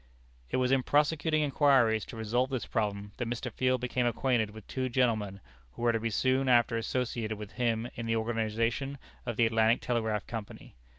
It was in prosecuting inquiries to resolve this problem, that Mr. Field became acquainted with two gentlemen who were to be soon after associated with him in the organization of the Atlantic Telegraph Company.